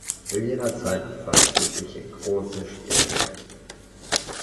Zu jener Zeit befand sie sich in großen Schwierigkeiten.